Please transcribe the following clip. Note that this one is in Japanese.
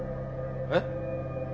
えっ？